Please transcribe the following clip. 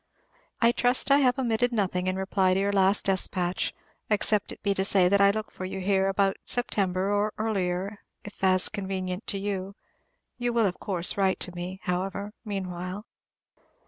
I trust I have omitted nothing in reply to your last despatch, except it be to say that I look for you here about September, or earlier, if as convenient to you; you will, of course, write to me, however, meanwhile.